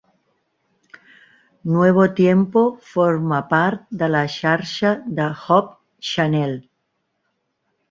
Nuevo Tiempo forma part de la xarxa de Hope Channel.